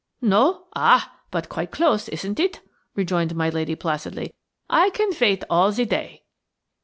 "No? Ah! but quite close, isn't it?" rejoined my lady, placidly. "I can vait all ze day."